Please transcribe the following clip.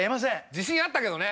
自信あったけどね。